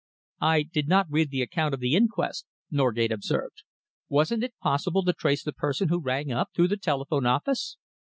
"I did not read the account of the inquest," Norgate observed. "Wasn't it possible to trace the person who rang up, through the telephone office?"